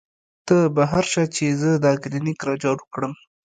تۀ بهر شه چې زۀ دا کلینک را جارو کړم " ـ